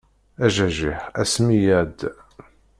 Ajajiḥ ass mi iɛedda.